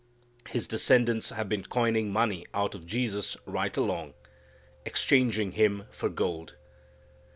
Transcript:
His descendants have been coining money out of Jesus right along: exchanging Him for gold.